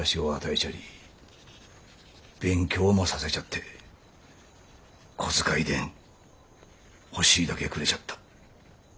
ちゃり勉強もさせちゃって小遣いでん欲しいだけくれちゃった。